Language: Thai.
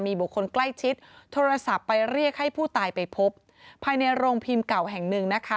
บุคคลใกล้ชิดโทรศัพท์ไปเรียกให้ผู้ตายไปพบภายในโรงพิมพ์เก่าแห่งหนึ่งนะคะ